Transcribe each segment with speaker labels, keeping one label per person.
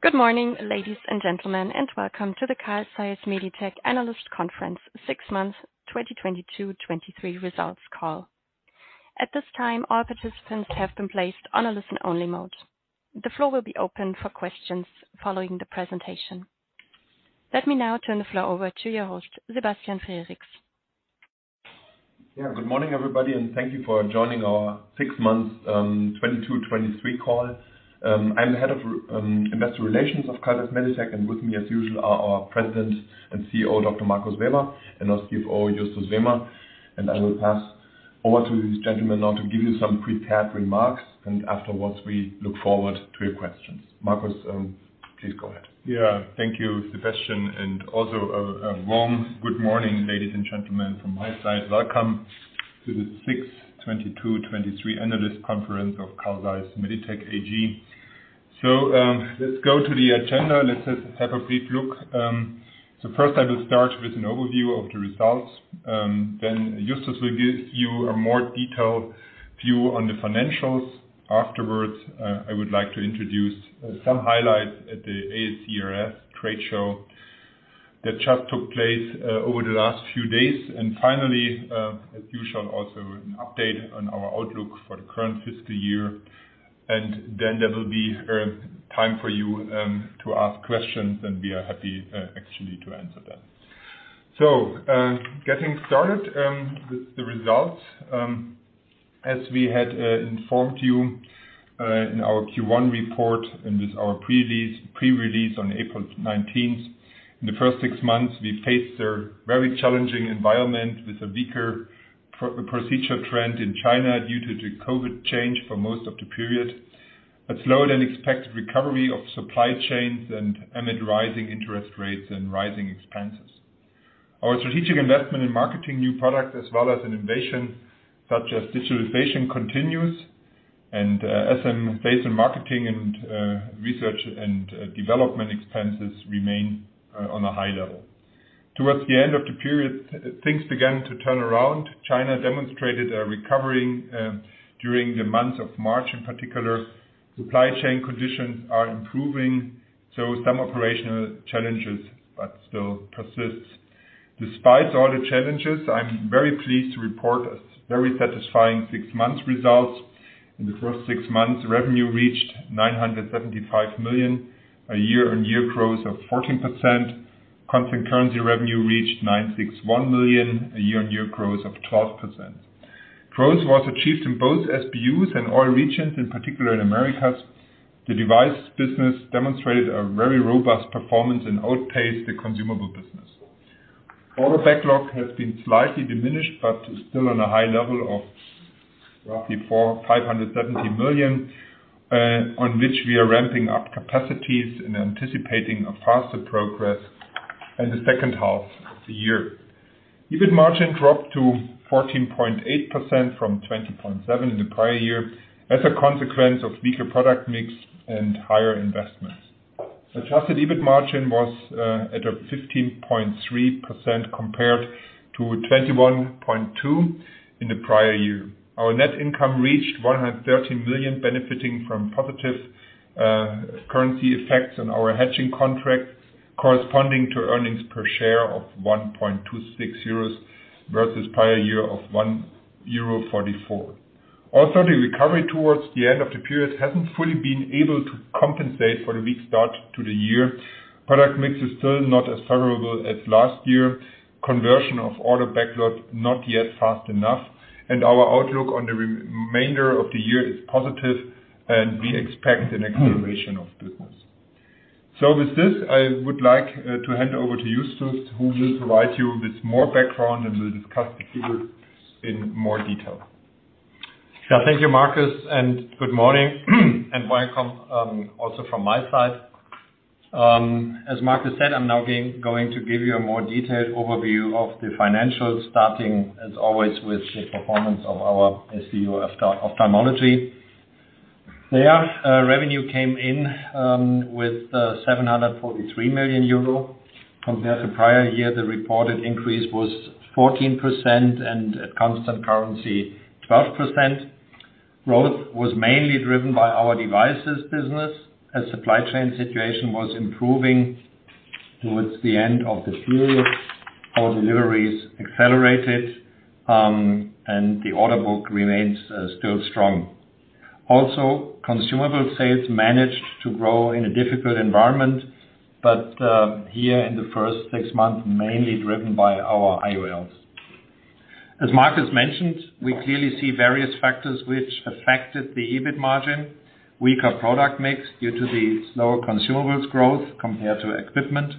Speaker 1: Good morning, ladies and gentlemen, welcome to the Carl Zeiss Meditec Analyst Conference six months 2022, 2023 results call. At this time, all participants have been placed on a listen-only mode. The floor will be open for questions following the presentation. Let me now turn the floor over to your host, Sebastian Frericks.
Speaker 2: Good morning, everybody, and thank you for joining our six months, 2022, 2023 call. I'm the head of investor relations of Carl Zeiss Meditec, and with me, as usual, are our President and CEO, Dr. Markus Weber, and also CFO, Justus Wehmer. I will pass over to these gentlemen now to give you some prepared remarks. Afterwards, we look forward to your questions. Markus, please go ahead.
Speaker 3: Yeah. Thank you, Sebastian, also a warm good morning, ladies and gentlemen, from my side. Welcome to the 6/22, 23 analyst conference of Carl Zeiss Meditec AG. Let's go to the agenda. Let's just have a brief look. First I will start with an overview of the results. Justus will give you a more detailed view on the financials. Afterwards, I would like to introduce some highlights at the ASCRS trade show that just took place over the last few days. Finally, as usual, also an update on our outlook for the current fiscal year. Then there will be time for you to ask questions, we are happy, actually, to answer them. Getting started with the results. As we had informed you in our Q1 report and with our pre-release on April 19th. In the first six months, we faced a very challenging environment with a weaker procedure trend in China due to the COVID change for most of the period. A slower than expected recovery of supply chains and amid rising interest rates and rising expenses. Our strategic investment in marketing new products as well as innovation such as digitalization continues, and SG&A based on marketing and research and development expenses remain on a high level. Towards the end of the period, things began to turn around. China demonstrated a recovering during the month of March, in particular. Supply chain conditions are improving, so some operational challenges but still persists. Despite all the challenges, I'm very pleased to report a very satisfying six months results. In the first six months, revenue reached 975 million, a year-on-year growth of 14%. Constant currency revenue reached 961 million, a year-on-year growth of 12%. Growth was achieved in both SBUs and all regions, in particular in Americas. The device business demonstrated a very robust performance and outpaced the consumable business. Order backlog has been slightly diminished, but is still on a high level of roughly 4,570 million, on which we are ramping up capacities and anticipating a faster progress in the H2 of the year. EBIT margin dropped to 14.8% from 20.7% in the prior year as a consequence of weaker product mix and higher investments. Adjusted EBIT margin was at a 15.3% compared to 21.2% in the prior year. Our net income reached 113 million, benefiting from positive currency effects on our hedging contracts, corresponding to earnings per share of 1.26 euros versus prior year of 1.44 euro. The recovery towards the end of the period hasn't fully been able to compensate for the weak start to the year. Product mix is still not as favorable as last year. Conversion of order backlog not yet fast enough, our outlook on the remainder of the year is positive, we expect an acceleration of business. With this, I would like to hand over to Justus, who will provide you with more background and will discuss the figures in more detail.
Speaker 4: Yeah. Thank you, Markus, and good morning and welcome also from my side. As Markus said, I'm now going to give you a more detailed overview of the financials, starting, as always, with the performance of our SBU ophthalmology. There revenue came in with 743 million euro. Compared to prior year, the reported increase was 14% and at constant currency, 12%. Growth was mainly driven by our devices business. As supply chain situation was improving towards the end of the period, our deliveries accelerated and the order book remains still strong. Also, consumable sales managed to grow in a difficult environment, but here in the first six months, mainly driven by our IOLs. As Markus mentioned, we clearly see various factors which affected the EBIT margin. Weaker product mix due to the slower consumables growth compared to equipment.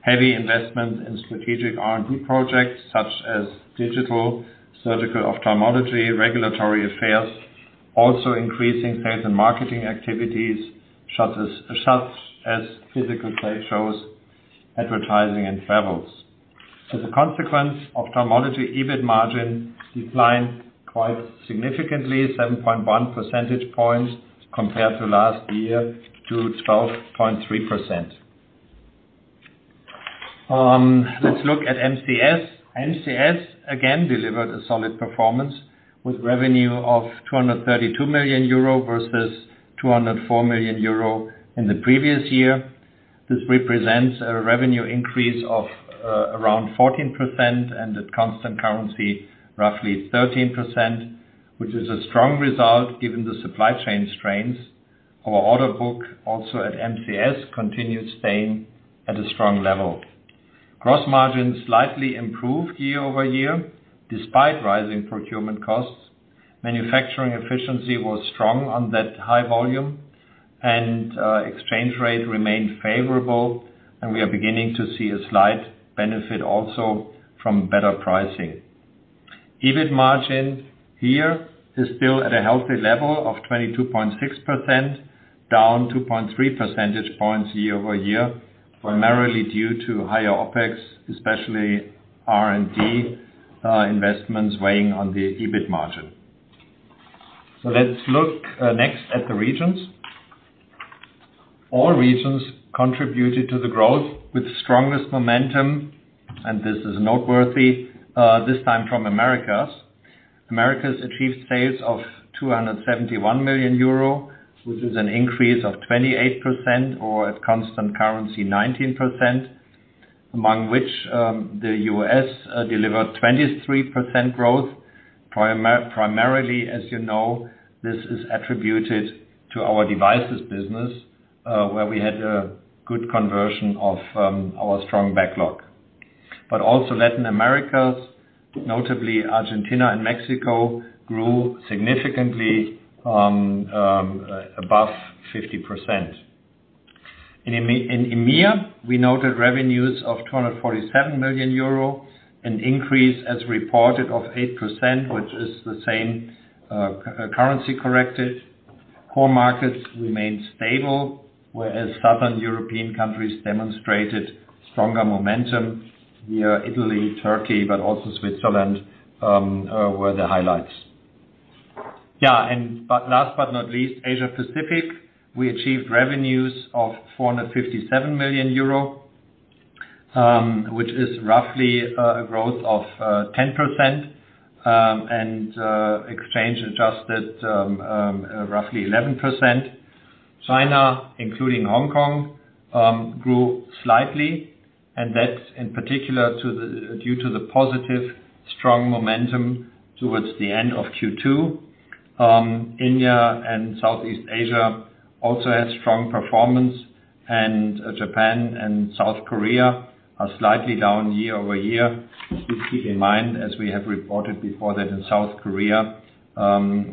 Speaker 4: Heavy investment in strategic R&D projects such as digital surgical ophthalmology, regulatory affairs. Increasing sales and marketing activities such as physical trade shows, advertising and travels. A consequence, ophthalmology EBIT margin declined quite significantly, 7.1 percentage points compared to last year to 12.3%. Let's look at MCS. MCS again delivered a solid performance with revenue of 232 million euro versus 204 million euro in the previous year. This represents a revenue increase of around 14% and at constant currency, roughly 13%, which is a strong result given the supply chain strains. Our order book also at MCS continued staying at a strong level. Gross margin slightly improved year-over-year despite rising procurement costs. Manufacturing efficiency was strong on that high volume, exchange rate remained favorable, we are beginning to see a slight benefit also from better pricing. EBIT margin here is still at a healthy level of 22.6%, down 2.3 percentage points year-over-year, primarily due to higher OpEx, especially R&D investments weighing on the EBIT margin. Let's look next at the regions. All regions contributed to the growth with strongest momentum, this is noteworthy, this time from Americas. Americas achieved sales of 271 million euro, which is an increase of 28% or at constant currency, 19%, among which, the U.S. delivered 23% growth. Primarily, as you know, this is attributed to our devices business, where we had a good conversion of our strong backlog. Also Latin Americas, notably Argentina and Mexico, grew significantly above 50%. In EMEA, we noted revenues of 247 million euro, an increase as reported of 8%, which is the same currency corrected. Core markets remained stable, whereas Southern European countries demonstrated stronger momentum via Italy, Turkey, but also Switzerland were the highlights. Last but not least, Asia Pacific, we achieved revenues of 457 million euro, which is roughly a growth of 10%, and exchange adjusted roughly 11%. China, including Hong Kong, grew slightly, and that's in particular due to the positive strong momentum towards the end of Q2. India and Southeast Asia also had strong performance and Japan and South Korea are slightly down year-over-year. Please keep in mind, as we have reported before, that in South Korea,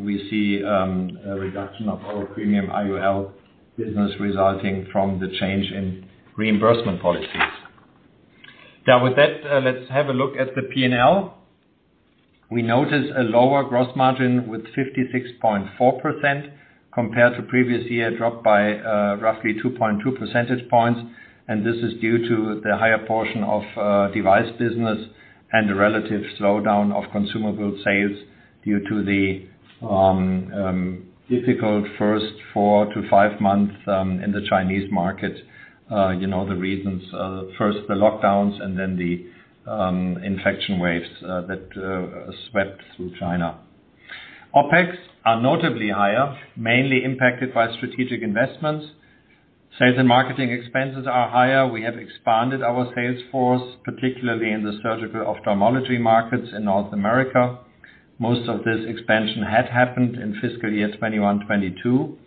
Speaker 4: we see a reduction of our premium IOL business resulting from the change in reimbursement policies. With that, let's have a look at the P&L. We notice a lower gross margin with 56.4% compared to previous year dropped by roughly 2.2 percentage points. This is due to the higher portion of device business and the relative slowdown of consumable sales due to the difficult first four to five months in the Chinese market. You know the reasons, first the lockdowns and then the infection waves that swept through China. OpEx are notably higher, mainly impacted by strategic investments. Sales and marketing expenses are higher. We have expanded our sales force, particularly in the surgical ophthalmology markets in North America. Most of this expansion had happened in fiscal year 2021, 2022.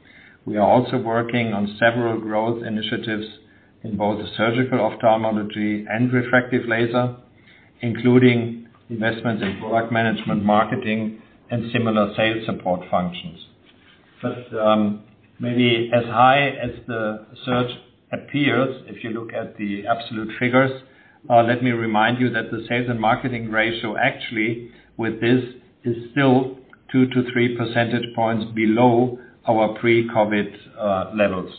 Speaker 4: We are also working on several growth initiatives in both the surgical ophthalmology and refractive laser, including investments in product management, marketing and similar sales support functions. Maybe as high as the search appears, if you look at the absolute figures, let me remind you that the sales and marketing ratio actually with this is still 2 to 3 percentage points below our pre-COVID levels.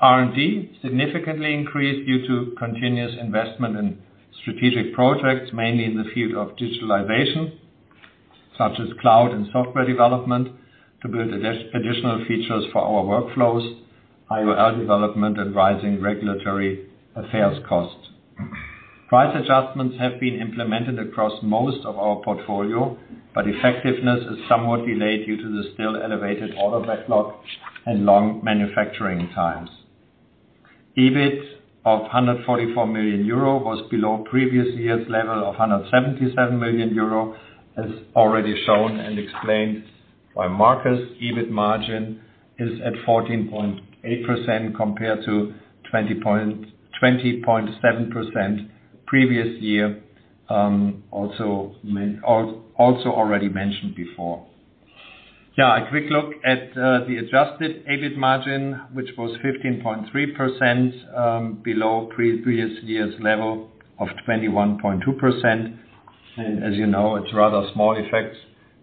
Speaker 4: R&D significantly increased due to continuous investment in strategic projects, mainly in the field of digitalization, such as cloud and software development, to build additional features for our workflows, IOL development and rising regulatory affairs costs. Price adjustments have been implemented across most of our portfolio, but effectiveness is somewhat delayed due to the still elevated order backlog and long manufacturing times. EBIT of 144 million euro was below previous year's level of 177 million euro, as already shown and explained by Marcus. EBIT margin is at 14.8% compared to 20.7% previous year, also already mentioned before. Yeah, a quick look at the adjusted EBIT margin, which was 15.3%, below previous year's level of 21.2%. As you know, it's rather small effects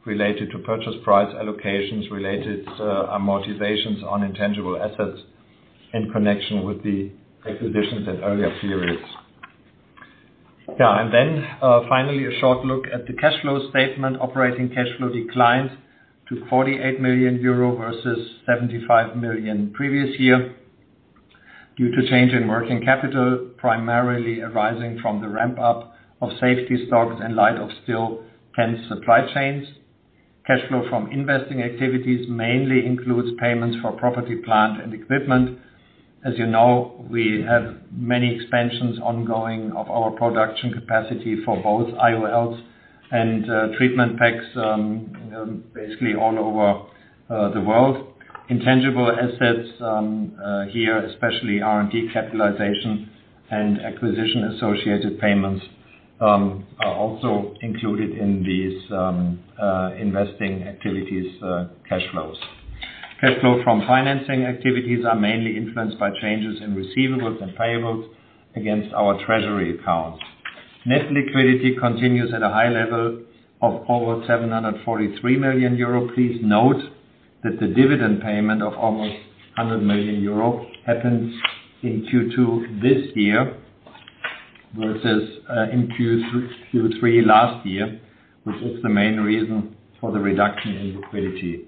Speaker 4: related to purchase price allocations related to amortizations on intangible assets in connection with the acquisitions at earlier periods. Yeah. Finally, a short look at the cash flow statement. Operating cash flow declined to 48 million euro, versus 75 million previous year due to change in working capital, primarily arising from the ramp up of safety stocks in light of still tense supply chains. Cash flow from investing activities mainly includes payments for property, plant, and equipment. As you know, we have many expansions ongoing of our production capacity for both IOLs and treatment packs, basically all over the world. Intangible assets, here, especially R&D capitalization and acquisition associated payments, are also included in these investing activities cash flows. Cash flow from financing activities are mainly influenced by changes in receivables and payables against our treasury accounts. Net liquidity continues at a high level of over 743 million euro. Please note that the dividend payment of almost 100 million euro happens in Q2 this year, versus in Q3 last year, which is the main reason for the reduction in liquidity.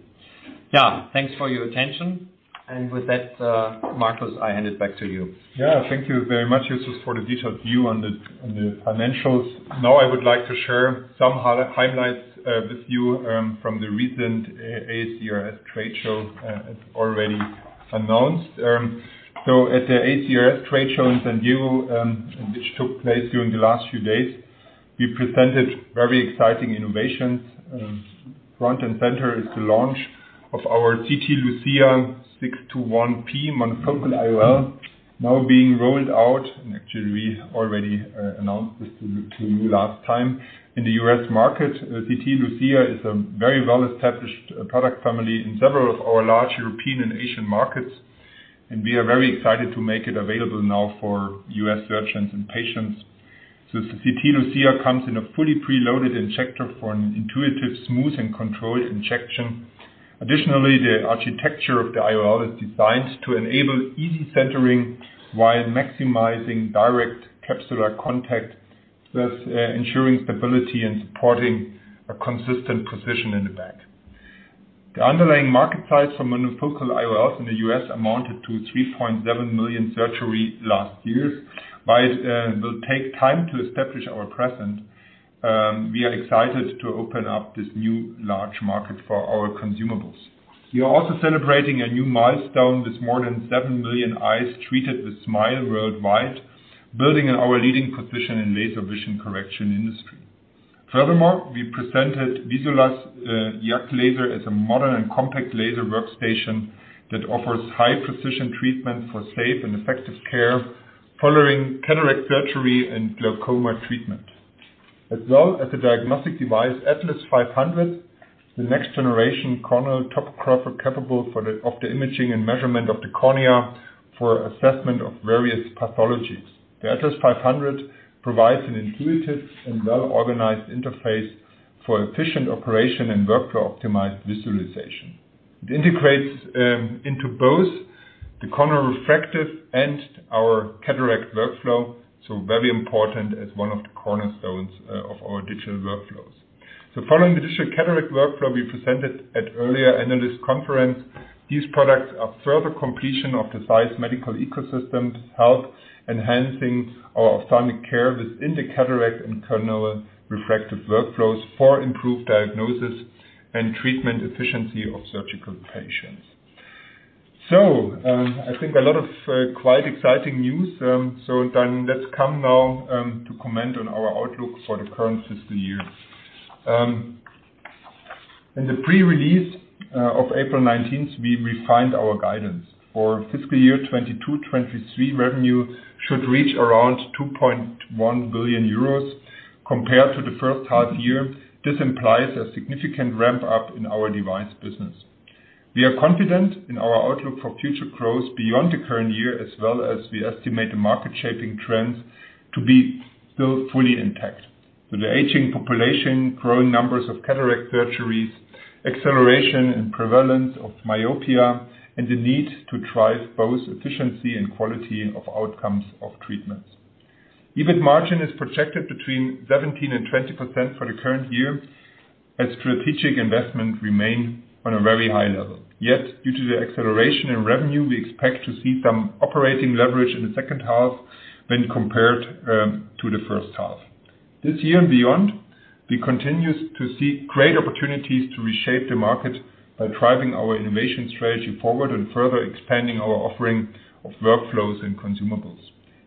Speaker 4: Yeah, thanks for your attention. With that, Markus, I hand it back to you.
Speaker 3: Yeah. Thank you very much, Justus, for the detailed view on the financials. Now I would like to share some highlights with you from the recent ASCRS trade show, as already announced. At the ASCRS trade show in San Diego, which took place during the last few days, we presented very exciting innovations. Front and center is the launch of our CT LUCIA 621P monofocal IOL, now being rolled out, and actually we already announced this to you last time. In the U.S. market, CT LUCIA is a very well-established product family in several of our large European and Asian markets, and we are very excited to make it available now for U.S. surgeons and patients. The CT LUCIA comes in a fully preloaded injector for an intuitive, smooth, and controlled injection. Additionally, the architecture of the IOL is designed to enable easy centering while maximizing direct capsular contact, thus ensuring stability and supporting a consistent position in the bank. The underlying market size for monofocal IOLs in the U.S. amounted to 3.7 million surgeries last year. While it will take time to establish our presence, we are excited to open up this new large market for our consumables. We are also celebrating a new milestone with more than 7 million eyes treated with SMILE worldwide, building on our leading position in laser vision correction industry. Furthermore, we presented VISULAS YAG laser as a modern and compact laser workstation that offers high-precision treatment for safe and effective care following cataract surgery and glaucoma treatment. As well as the diagnostic device, ATLAS 500, the next-generation corneal topographer capable of the imaging and measurement of the cornea for assessment of various pathologies. The ATLAS 500 provides an intuitive and well-organized interface for efficient operation and workflow optimized visualization. It integrates into both the corneal refractive and our cataract workflow, so very important as one of the cornerstones of our digital workflows. Following the digital cataract workflow we presented at earlier analyst conference, these products are further completion of the ZEISS medical ecosystem to help enhancing our ophthalmic care within the cataract and corneal refractive workflows for improved diagnosis and treatment efficiency of surgical patients. I think a lot of quite exciting news. Let's come now to comment on our outlook for the current fiscal year. In the pre-release of April 19th, we refined our guidance. For fiscal year 2022/2023, revenue should reach around 2.1 billion euros. Compared to the H1 year, this implies a significant ramp up in our device business. We are confident in our outlook for future growth beyond the current year, as well as we estimate the market shaping trends to be still fully intact. With the aging population, growing numbers of cataract surgeries, acceleration and prevalence of myopia, and the need to drive both efficiency and quality of outcomes of treatments. EBIT margin is projected between 17% and 20% for the current year, as strategic investment remain on a very high level. Due to the acceleration in revenue, we expect to see some operating leverage in the H2 when compared to the H1. This year and beyond, we continue to see great opportunities to reshape the market by driving our innovation strategy forward and further expanding our offering of workflows and consumables.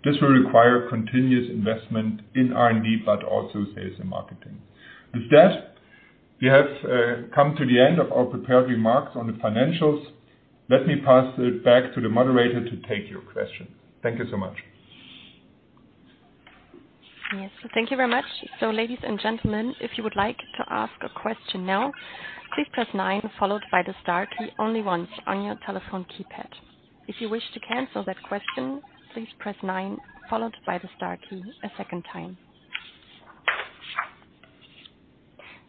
Speaker 3: This will require continuous investment in R&D, but also sales and marketing. With that, we have come to the end of our prepared remarks on the financials. Let me pass it back to the moderator to take your questions. Thank you so much.
Speaker 1: Yes, thank you very much. Ladies and gentlemen, if you would like to ask a question now, please press 9 followed by the star key only once on your telephone keypad. If you wish to cancel that question, please press 9 followed by the star key a second time.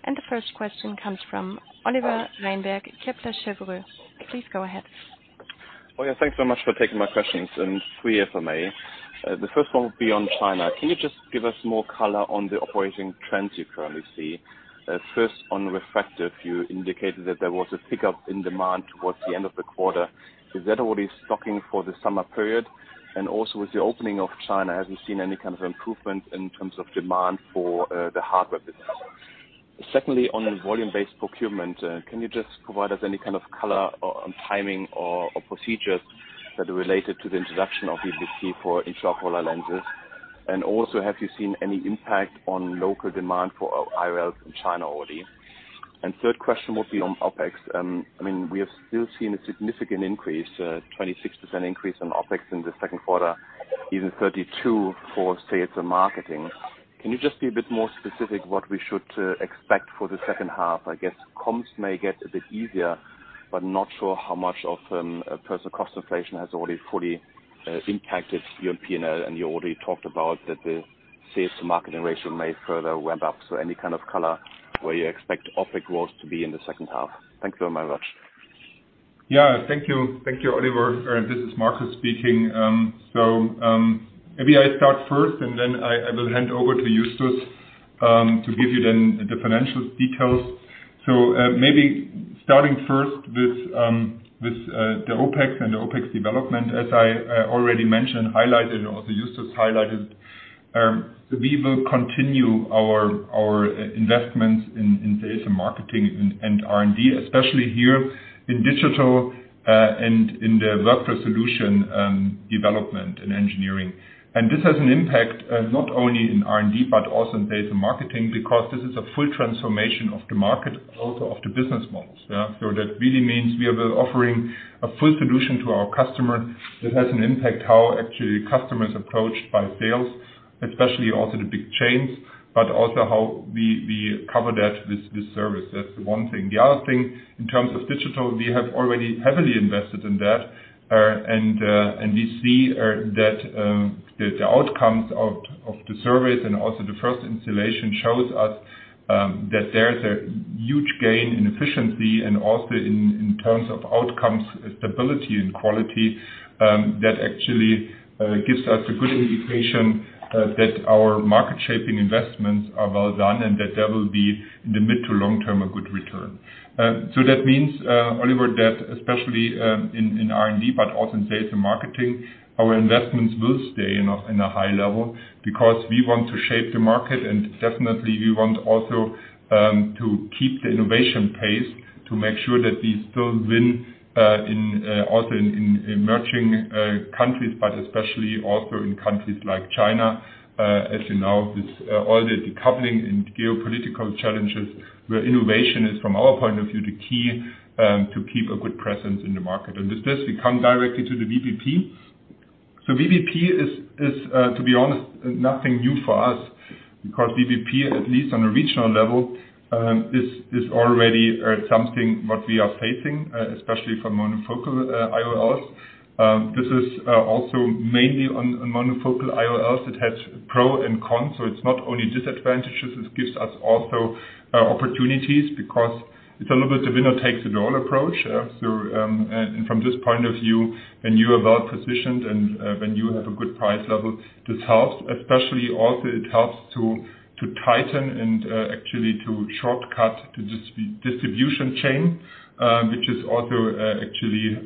Speaker 1: The first question comes from Oliver Reinberg, Kepler Cheuvreux. Please go ahead.
Speaker 5: Oh, yeah. Thanks so much for taking my questions. Three FMA. The first one will be on China. Can you just give us more color on the operating trends you currently see? First on Refractive, you indicated that there was a pickup in demand towards the end of the quarter. Is that already stocking for the summer period? Also with the opening of China, have you seen any kind of improvement in terms of demand for the hardware business? Secondly, on a volume-based procurement, can you just provide us any kind of color on timing or procedures that are related to the introduction of VBP for intraocular lenses? Also have you seen any impact on local demand for IOLs in China already? Third question would be on OpEx. I mean, we have still seen a significant increase, 26% increase on OpEx in the Q2, even 32% for sales and marketing. Can you just be a bit more specific what we should expect for the H2? I guess comps may get a bit easier, but not sure how much of personal cost inflation has already fully impacted your P&L, and you already talked about that the sales to marketing ratio may further went up. Any kind of color where you expect OpEx growth to be in the H2. Thanks very much.
Speaker 3: Thank you. Thank you, Oliver. This is Markus speaking. Maybe I start first, and then I will hand over to Justus to give you then the financial details. Maybe starting first with the OpEx and the OpEx development. As I already mentioned, highlighted, also Justus highlighted, we will continue our investments in sales and marketing and R&D, especially here in digital and in the workflow solution development and engineering. This has an impact not only in R&D, but also in sales and marketing, because this is a full transformation of the market, also of the business models. That really means we are offering a full solution to our customer that has an impact how actually customers approached by sales, especially also the big chains, but also how we cover that with service. That's one thing. The other thing, in terms of digital, we have already heavily invested in that. And we see that the outcomes of the surveys and also the first installation shows us that there is a huge gain in efficiency and also in terms of outcomes, stability and quality, that actually gives us a good indication that our market shaping investments are well done and that there will be, in the mid to long term, a good return. That means, Oliver, that especially in R&D, but also in sales and marketing, our investments will stay in a high level because we want to shape the market and definitely we want also to keep the innovation pace to make sure that we still win in also in emerging countries, but especially also in countries like China. As you know, with all the decoupling and geopolitical challenges, where innovation is, from our point of view, the key to keep a good presence in the market. With this, we come directly to the VBP. VBP is, to be honest, nothing new for us, because VBP, at least on a regional level, is already something what we are facing, especially for monofocal IOLs. This is also mainly on monofocal IOLs. It has pro and con. It's not only disadvantages. It gives us also opportunities because it's a little bit the winner takes it all approach. From this point of view, when you are well positioned and when you have a good price level, this helps. Especially also it helps to tighten and actually to shortcut the distribution chain, which is also actually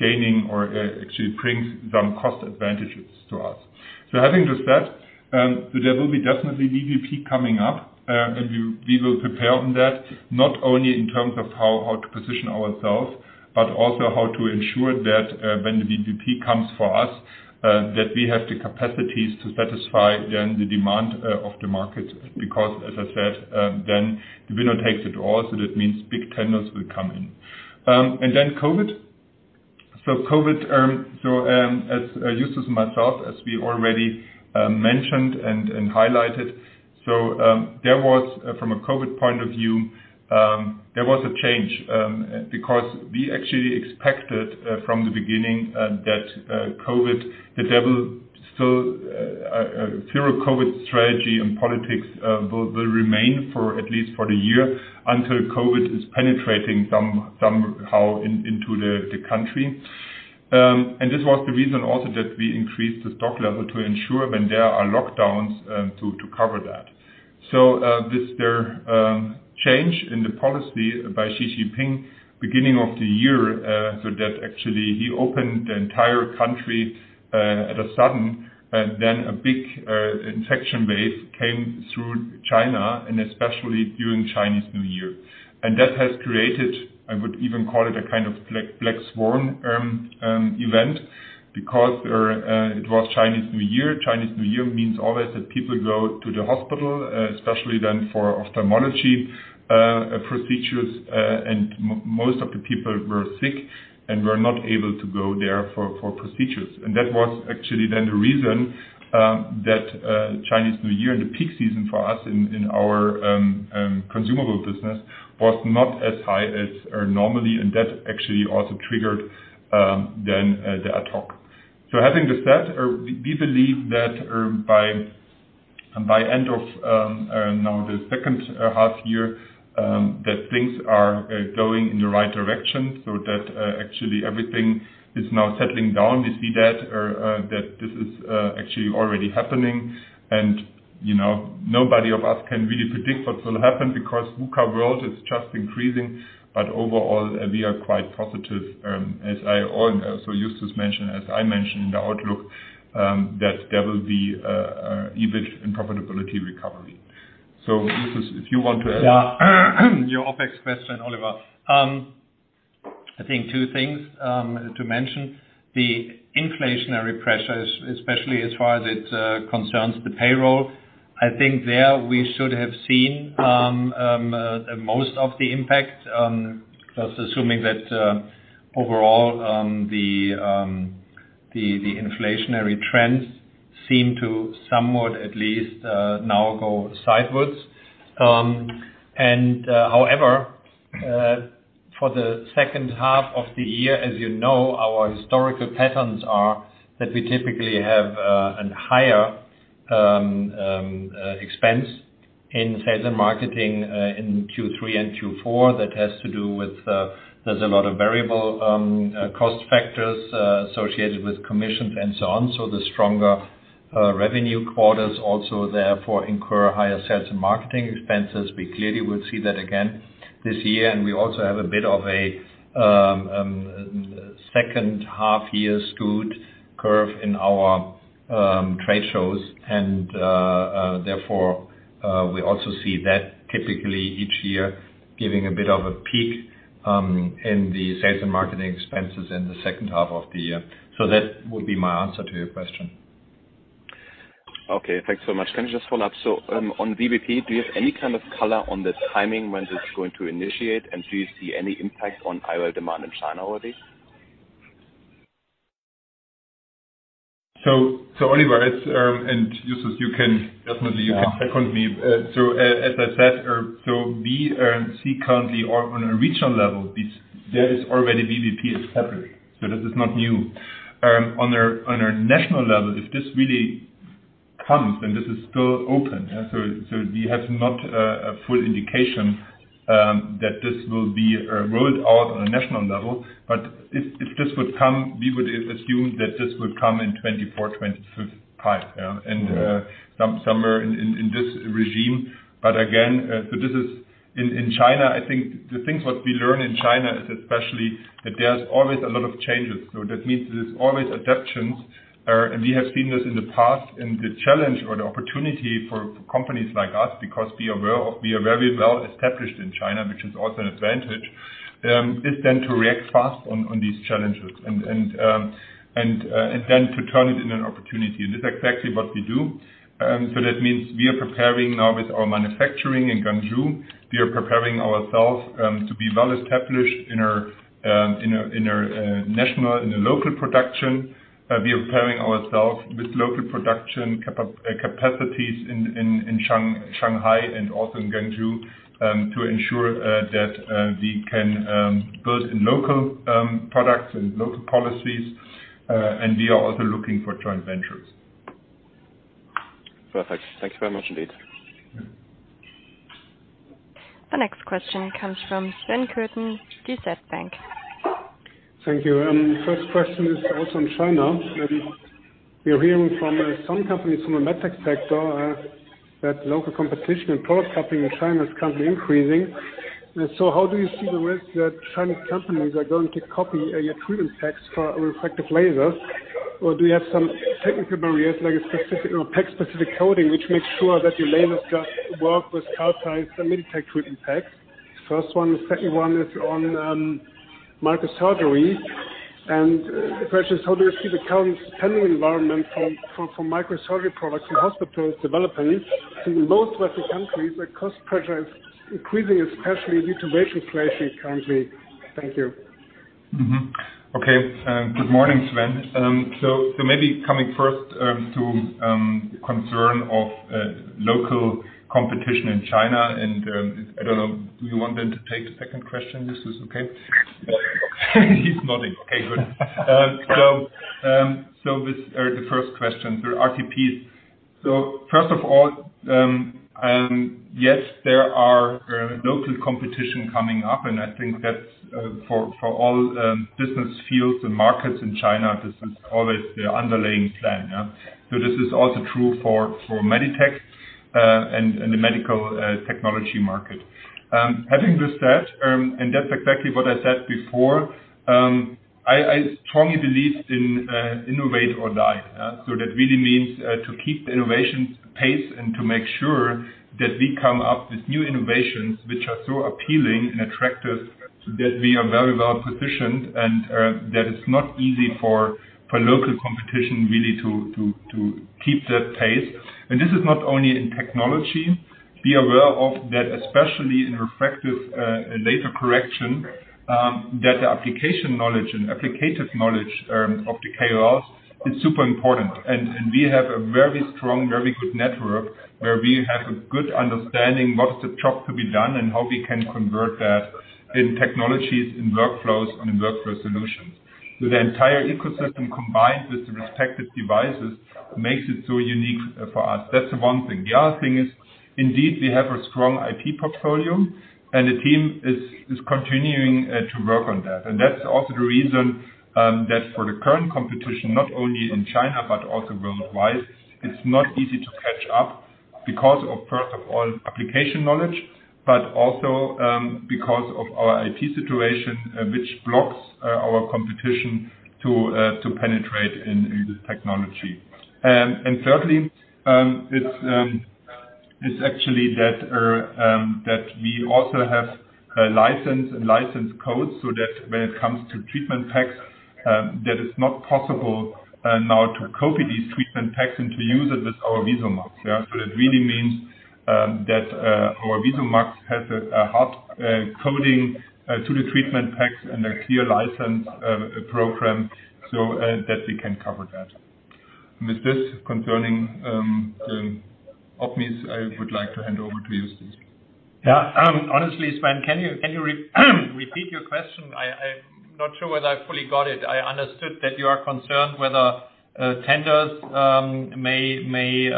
Speaker 3: gaining or actually brings some cost advantages to us. Having this said, there will be definitely VBP coming up, and we will prepare on that, not only in terms of how to position ourselves, but also how to ensure that when the VBP comes for us, that we have the capacities to satisfy then the demand of the market. As I said, then the winner takes it all, so that means big tenders will come in. COVID. COVID, as Justus and myself, as we already mentioned and highlighted. There was, from a COVID point of view, there was a change, because we actually expected from the beginning that COVID, that there will still zero COVID strategy and politics will remain for at least for the year until COVID is penetrating somehow into the country. This was the reason also that we increased the stock level to ensure when there are lockdowns to cover that. This change in the policy by Xi Jinping beginning of the year, so that actually he opened the entire country at a sudden, then a big infection wave came through China and especially during Chinese New Year. That has created, I would even call it a kind of black swan event because it was Chinese New Year. Chinese New Year means always that people go to the hospital, especially then for ophthalmology procedures. Most of the people were sick and were not able to go there for procedures. That was actually then the reason that Chinese New Year and the peak season for us in our consumable business was not as high as normally, and that actually also triggered then the ad hoc. Having this said, we believe that by end of now the H2 year, that things are going in the right direction, so that actually everything is now settling down. We see that this is, actually already happening. You know, nobody of us can really predict what will happen because VUCA world is just increasing. Overall, we are quite positive, Justus mentioned, as I mentioned in the outlook, that there will be a EBIT and profitability recovery. Justus, if you want to.
Speaker 5: Yeah.
Speaker 4: Your OpEx question, Oliver. I think two things to mention. The inflationary pressures, especially as far as it concerns the payroll, I think there we should have seen most of the impact, plus assuming that overall the inflationary trends seem to somewhat at least now go sideways. However, for the H2 of the year, as you know, our historical patterns are that we typically have a higher expense in sales and marketing in Q3 and Q4 that has to do with there's a lot of variable cost factors associated with commissions and so on. The stronger revenue quarters also therefore incur higher sales and marketing expenses. We clearly will see that again this year. We also have a bit of a H2 year skewed curve in our trade shows, and therefore, we also see that typically each year giving a bit of a peak in the sales and marketing expenses in the H2 of the year. That would be my answer to your question.
Speaker 5: Okay. Thanks so much. Can I just follow up? On VBP, do you have any kind of color on the timing when this is going to initiate? Do you see any impact on IOL demand in China already?
Speaker 3: Oliver, it's, and Justus you can.
Speaker 5: Yeah.
Speaker 3: You can second me. As I said, we see currently on a regional level, there is already VBP established. This is not new. On a, on a national level, if this really comes, this is still open. We have not a full indication that this will be rolled out on a national level. If this would come, we would assume that this would come in 2024, 2025, yeah.
Speaker 5: Mm-hmm.
Speaker 3: Somewhere in this regime. Again, in China, I think the things what we learn in China is especially that there's always a lot of changes. That means there's always adaptions. We have seen this in the past, and the challenge or the opportunity for companies like us, because we are very well established in China, which is also an advantage, is then to react fast on these challenges and then to turn it in an opportunity. This is exactly what we do. That means we are preparing now with our manufacturing in Guangzhou. We are preparing ourselves to be well established in our national and local production. We are preparing ourselves with local production capacities in Shanghai and also in Guangzhou to ensure that we can build in local products and local policies. We are also looking for joint ventures.
Speaker 5: Perfect. Thanks very much indeed.
Speaker 1: The next question comes from Sven Kürten, DZ Bank.
Speaker 6: Thank you. First question is also on China. We are hearing from some companies from the medtech sector that local competition and product copying in China is currently increasing. How do you see the risk that Chinese companies are going to copy your treatment packs for refractive lasers? Do you have some technical barriers, like a specific or pack specific coding, which makes sure that your lasers just work with Carl Zeiss Meditec treatment packs? First one. The second one is on microsurgery. The question is, how do you see the current spending environment for microsurgery products in hospitals developing? In most Western countries, the cost pressure is increasing, especially due to wage inflation currently. Thank you.
Speaker 3: Okay. Good morning, Sven. Maybe coming first to concern of local competition in China and, I don't know, do you want them to take the second question, Justus? Okay. He's nodding. Okay, good. With the first question, the RTPs. First of all, yes, there are local competition coming up, and I think that for all business fields and markets in China, this is always the underlying plan, yeah? This is also true for MedTech, and the medical technology market. Having this said, and that's exactly what I said before, I strongly believe in innovate or die. That really means to keep the innovation pace and to make sure that we come up with new innovations which are so appealing and attractive that we are very well positioned and that it's not easy for local competition really to keep that pace. This is not only in technology. Be aware of that, especially in refractive laser correction, that the application knowledge and applicative knowledge of the KOLs is super important. We have a very strong, very good network where we have a good understanding what's the job to be done and how we can convert that in technologies, in workflows, and in workflow solutions. The entire ecosystem combined with the respective devices makes it so unique for us. That's the one thing. The other thing is, indeed, we have a strong IP portfolio, and the team is continuing to work on that. That's also the reason that for the current competition, not only in China but also worldwide, it's not easy to catch up because of, first of all, application knowledge, but also because of our IT situation, which blocks our competition to penetrate in this technology. Thirdly, it's actually that we also have a license code so that when it comes to treatment packs, that it's not possible now to copy these treatment packs and to use it with our VisuMax. Yeah. That really means, that our VisuMax has a hard coding to the treatment packs and a clear license program so that we can cover that. With this concerning OPMI, I would like to hand over to you, Justus.
Speaker 4: Yeah. Honestly, Sven, can you repeat your question? I'm not sure whether I fully got it. I understood that you are concerned whether tenders may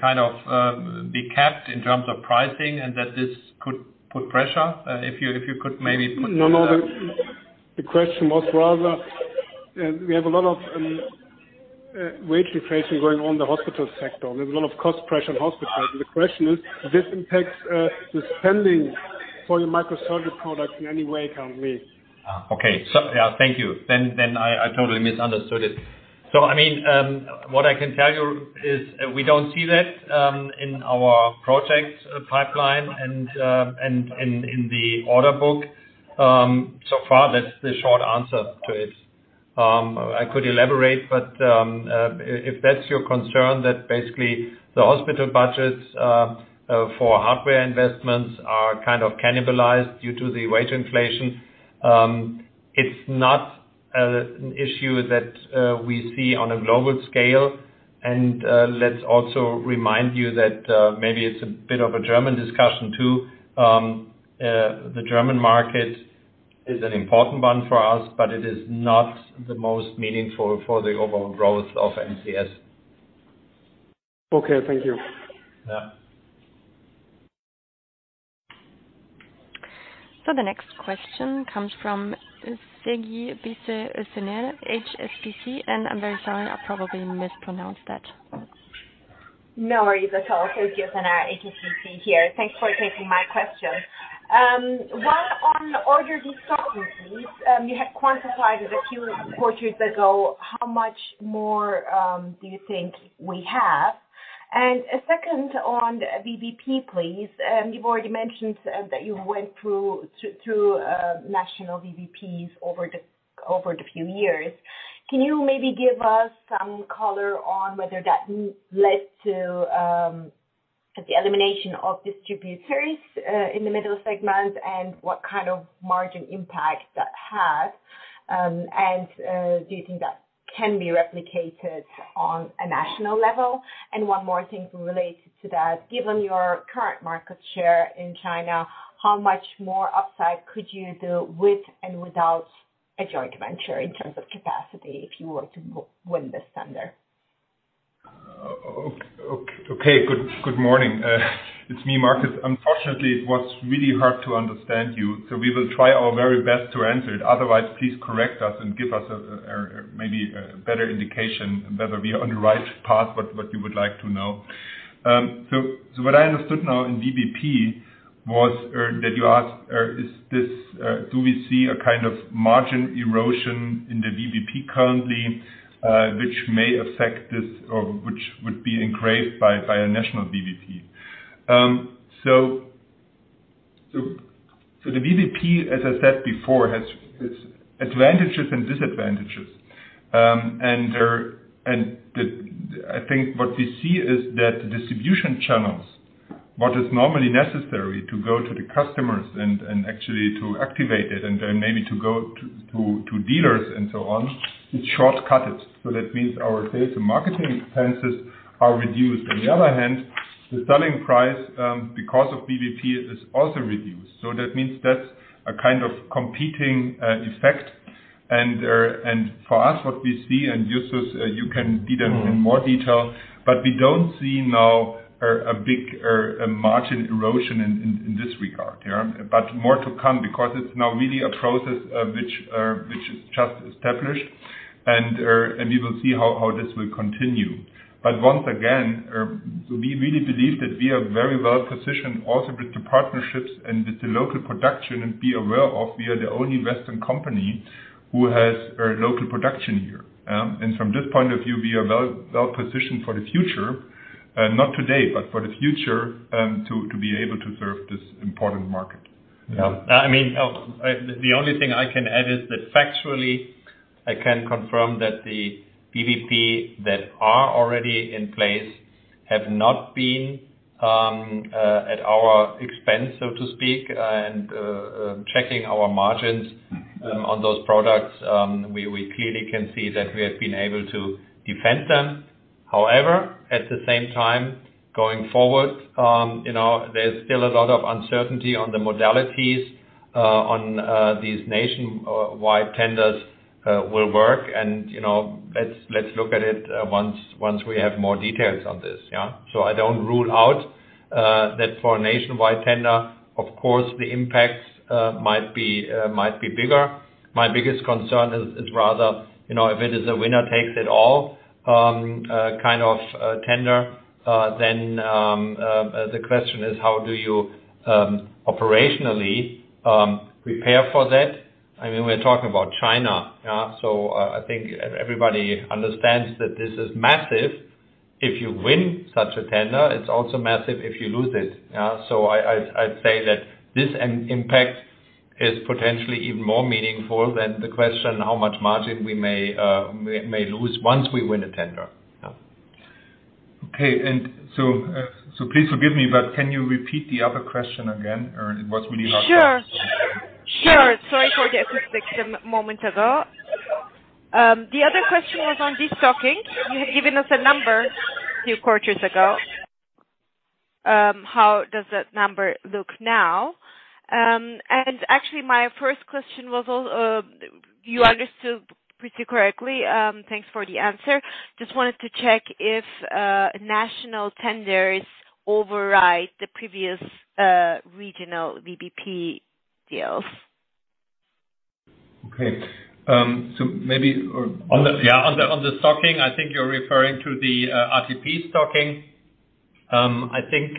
Speaker 4: kind of be capped in terms of pricing and that this could put pressure. If you could maybe.
Speaker 6: No, no. The question was rather, we have a lot of wage inflation going on in the hospital sector. We have a lot of cost pressure in hospitals. The question is, this impacts the spending for your microsurgery products in any way, currently?
Speaker 4: Okay. Yeah, thank you. Then I totally misunderstood it. I mean, what I can tell you is we don't see that in our project pipeline and in the order book so far. That's the short answer to it. I could elaborate, but if that's your concern that basically the hospital budgets for hardware investments are kind of cannibalized due to the wage inflation, it's not an issue that we see on a global scale. Let's also remind you that maybe it's a bit of a German discussion too. The German market is an important one for us, but it is not the most meaningful for the overall growth of MCS.
Speaker 6: Okay. Thank you.
Speaker 4: Yeah.
Speaker 1: The next question comes from Sezgi Oezener, HSBC, and I'm very sorry, I probably mispronounced that.
Speaker 7: No worries at all. Sezgi Oezener, HSBC here. Thanks for taking my question. One on order discrepancies. You have quantified it a few quarters ago. How much more do you think we have? A second on VBP, please. You've already mentioned that you went through national VBPs over the few years. Can you maybe give us some color on whether that led to the elimination of distributors in the middle segment and what kind of margin impact that had? Do you think that can be replicated on a national level? One more thing related to that. Given your current market share in China, how much more upside could you do with and without a joint venture in terms of capacity, if you were to win this tender?
Speaker 3: Okay. Good morning. It's me, Marcus. Unfortunately, it was really hard to understand you, so we will try our very best to answer it. Otherwise, please correct us and give us a maybe a better indication whether we are on the right path, what you would like to know. What I understood now in VBP was, or that you asked, is this, do we see a kind of margin erosion in the VBP currently, which may affect this or which would be engraved by a national VBP? The VBP, as I said before, has its advantages and disadvantages. I think what we see is that the distribution channels, what is normally necessary to go to the customers and actually to activate it and then maybe to go to dealers and so on, it's shortcutted. That means our sales and marketing expenses are reduced. On the other hand, the selling price, because of VBP, is also reduced. That means that's a kind of competing effect. For us, what we see, and Justus, you can give them in more detail, but we don't see now a big margin erosion in this regard. More to come because it's now really a process which is just established, and we will see how this will continue. Once again, we really believe that we are very well positioned also with the partnerships and with the local production, and be aware of we are the only Western company who has local production here. From this point of view, we are well positioned for the future. Not today, but for the future, to be able to serve this important market.
Speaker 4: Yeah. I mean, the only thing I can add is that factually, I can confirm that the VBP that are already in place have not been at our expense, so to speak. Checking our margins on those products, we clearly can see that we have been able to defend them. However, at the same time, going forward, you know, there's still a lot of uncertainty on the modalities on these nationwide tenders will work and, you know, let's look at it once we have more details on this, yeah. I don't rule out that for a nationwide tender, of course, the impacts might be bigger. My biggest concern is rather, you know, if it is a winner takes it all kind of tender, then the question is how do you operationally prepare for that? I mean, we're talking about China, yeah. I think everybody understands that this is massive if you win such a tender. It's also massive if you lose it. Yeah. I'd say that this impact is potentially even more meaningful than the question, how much margin we may lose once we win a tender. Yeah.
Speaker 3: Okay. Please forgive me, but can you repeat the other question again? It was really loud.
Speaker 7: Sure. Sure. Sorry for the acoustics a moment ago. The other question is on destocking. You had given us a number a few quarters ago. How does that number look now? Actually my first question was, you understood pretty correctly. Thanks for the answer. Just wanted to check if national tenders override the previous regional VBP deals.
Speaker 3: Okay. so maybe
Speaker 4: On the, yeah, on the, on the stocking, I think you're referring to the RTP stocking. I think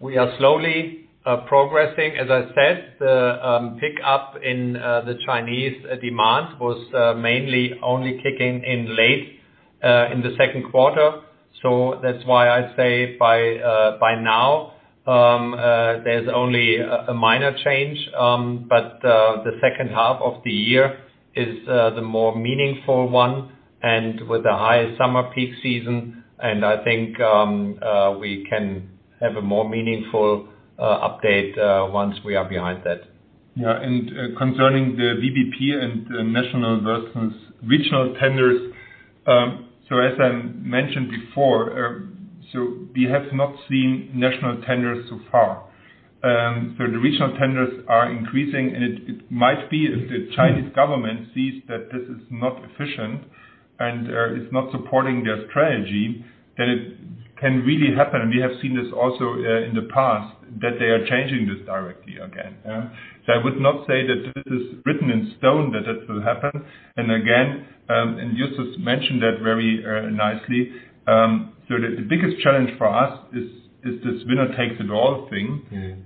Speaker 4: we are slowly progressing. As I said, the pick up in the Chinese demand was mainly only kicking in late in the Q2. That's why I say by now there's only a minor change. The H2 of the year is the more meaningful one and with the highest summer peak season. I think we can have a more meaningful update once we are behind that.
Speaker 3: Concerning the VBP and the national versus regional tenders, as I mentioned before, we have not seen national tenders so far. The regional tenders are increasing, and it might be if the Chinese government sees that this is not efficient and is not supporting their strategy, then it can really happen. We have seen this also in the past, that they are changing this directly again, yeah. I would not say that this is written in stone that it will happen. Again, Justus Wehmer mentioned that very nicely. The biggest challenge for us is this winner takes it all thing.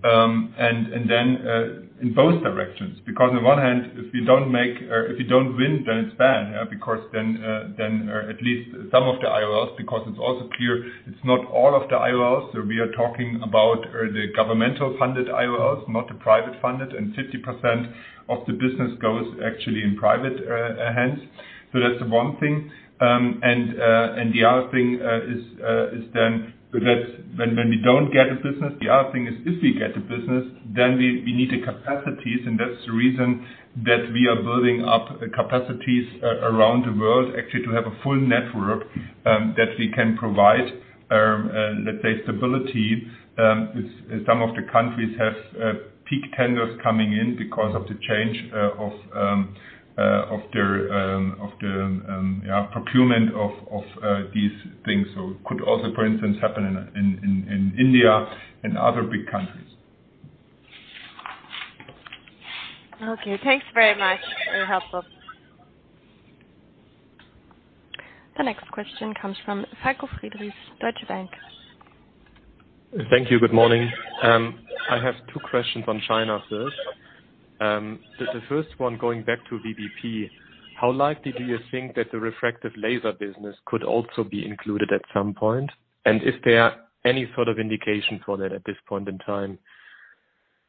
Speaker 4: Mm-hmm.
Speaker 3: In both directions, because on one hand, if you don't make or if you don't win, then it's bad, yeah. Then at least some of the IOLs, because it's also clear it's not all of the IOLs. We are talking about the governmental funded IOLs, not the private funded, and 50% of the business goes actually in private hands. That's the one thing. The other thing is then that's when we don't get a business. The other thing is, if we get the business, then we need the capacities, and that's the reason that we are building up capacities around the world actually to have a full network, that we can provide, let's say, stability. Some of the countries have peak tenders coming in because of the change of their procurement of these things. It could also, for instance, happen in India and other big countries.
Speaker 7: Okay, thanks very much. Very helpful.
Speaker 1: The next question comes from Falko Friedrichs, Deutsche Bank.
Speaker 8: Thank you. Good morning. I have two questions on China first. The first one going back to VBP, how likely do you think that the refractive laser business could also be included at some point? Is there any sort of indication for that at this point in time?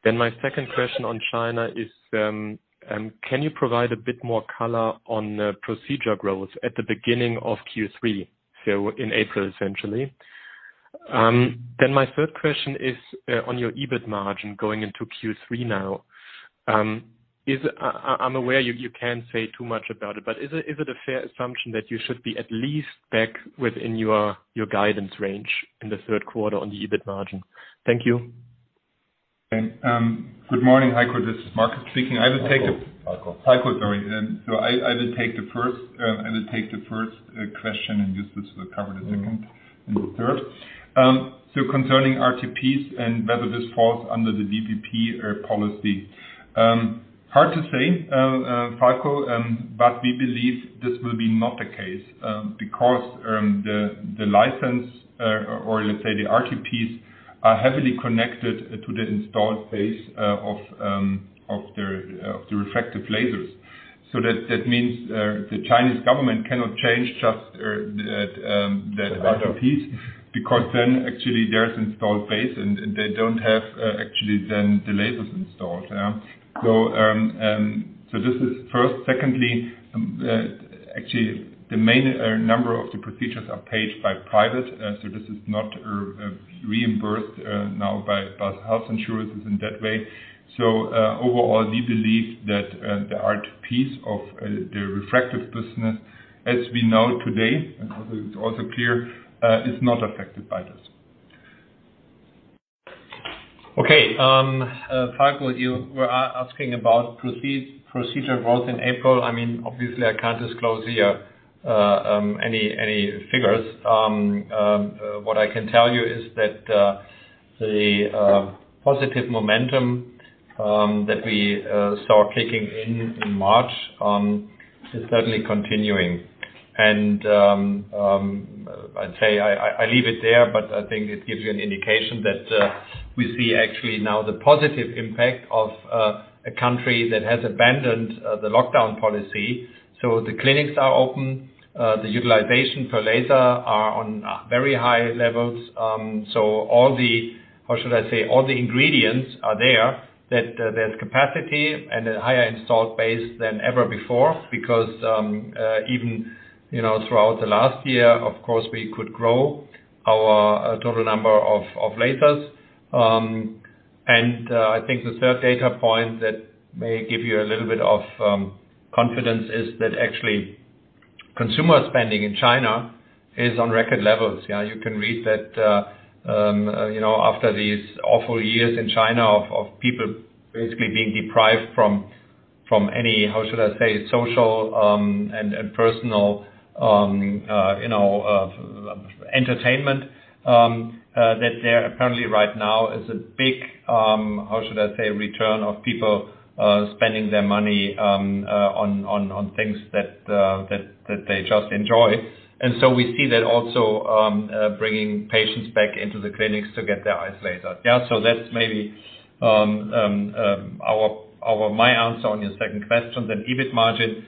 Speaker 8: My second question on China is, can you provide a bit more color on procedure growth at the beginning of Q3, so in April, essentially? My third question is on your EBIT margin going into Q3 now. I'm aware you can't say too much about it, but is it a fair assumption that you should be at least back within your guidance range in the Q3 on the EBIT margin? Thank you.
Speaker 3: Good morning, Falko. This is Markus speaking. I will take.
Speaker 4: Falko.
Speaker 3: Falko, sorry. I will take the first, I will take the first question, and Justus will cover the second and third. Concerning RTPs and whether this falls under the VBP policy. Hard to say, Falko, but we believe this will be not the case because the license, or let's say the RTPs are heavily connected to the installed base of the refractive lasers. That means the Chinese government cannot change just that RTPs because then actually there's installed base and they don't have actually then the lasers installed. Yeah. This is first. Actually the main number of the procedures are paid by private, so this is not reimbursed now by health insurances in that way. Overall, we believe that the RTPs of the refractive business as we know today, it's also clear, is not affected by this. Okay. Falko, you were asking about procedure growth in April. I mean, obviously, I can't disclose here any figures. What I can tell you is that the positive momentum that we saw kicking in in March is certainly continuing. I'd say I leave it there, but I think it gives you an indication that we see actually now the positive impact of a country that has abandoned the lockdown policy. The clinics are open. The utilization per laser are on very high levels. Or should I say, all the ingredients are there, that there's capacity and a higher installed base than ever before because even, you know, throughout the last year, of course, we could grow our total number of lasers. I think the third data point that may give you a little bit of confidence is that actually consumer spending in China is on record levels. Yeah, you can read that, you know, after these awful years in China of people basically being deprived from any, how should I say, social, and personal, you know, entertainment, that there apparently right now is a big, how should I say, return of people spending their money on things that they just enjoy. We see that also bringing patients back into the clinics to get their eyes lasered. Yeah, so that's maybe my answer on your second question. EBIT margin,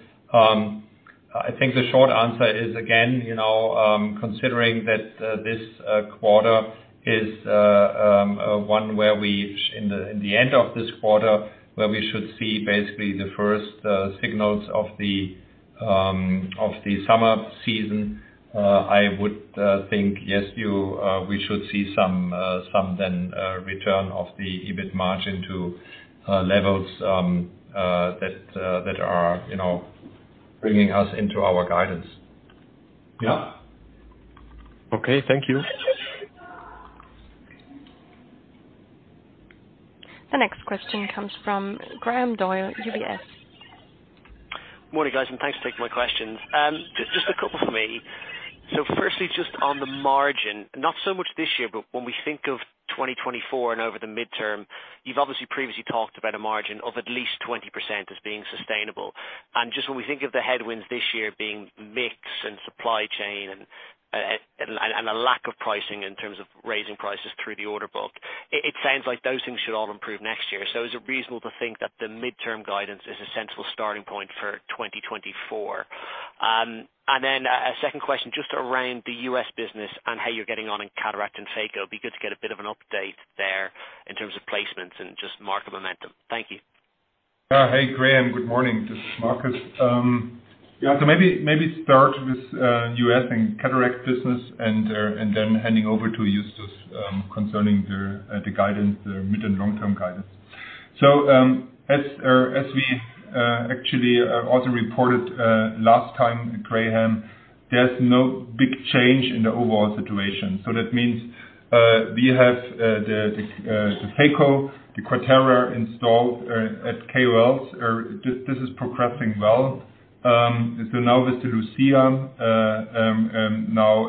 Speaker 3: I think the short answer is again, you know, considering that this quarter is one where In the end of this quarter, where we should see basically the first signals of the summer season, I would think, yes, you, we should see some then return of the EBIT margin to levels that are, you know, bringing us into our guidance. Yeah.
Speaker 8: Okay. Thank you.
Speaker 1: The next question comes from Graham Doyle, UBS.
Speaker 9: Morning, guys, thanks for taking my questions. Just a couple from me. Firstly, just on the margin, not so much this year, but when we think of 2024 and over the midterm, you've obviously previously talked about a margin of at least 20% as being sustainable. Just when we think of the headwinds this year being mix and supply chain and a lack of pricing in terms of raising prices through the order book, it sounds like those things should all improve next year. Is it reasonable to think that the midterm guidance is a central starting point for 2024? Then a second question just around the US business and how you're getting on in cataract and phaco. Be good to get a bit of an update there in terms of placements and just market momentum. Thank you.
Speaker 3: Hey, Graham. Good morning. This is Markus. Yeah. Maybe start with U.S. and cataract business and then handing over to Justus concerning the guidance, the mid and long-term guidance. As we actually also reported last time, Graham, there's no big change in the overall situation. That means we have the phaco, the QUATERA installed at KOLs. This is progressing well. Now with the Lucia, now